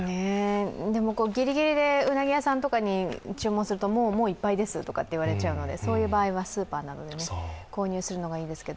でも、ギリギリでうなぎ屋さんとかに注文すると、もういっぱいですと言われちゃうので、そういう場合は、スーパーなどで購入するのがいいですね。